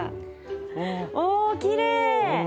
おきれい！